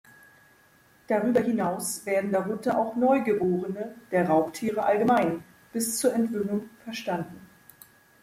Darüber hinaus werden darunter auch Neugeborene der Raubtiere allgemein bis zur Entwöhnung verstanden.